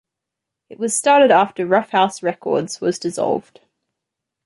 It was started after Ruffhouse Records was dissolved.